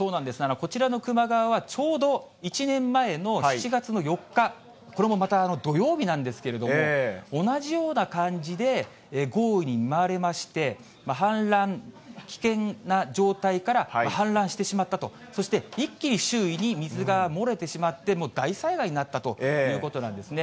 こちらの球磨川は、ちょうど１年前の７月の４日、これもまた土曜日なんですけれども、同じような感じで豪雨に見舞われまして、氾濫、危険な状態から氾濫してしまったと、そして一気に周囲に水が漏れてしまって、もう大災害になったということなんですね。